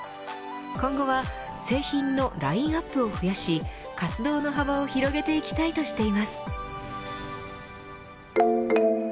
今後は製品のラインアップを増やし活動の幅を広げていきたいとしています。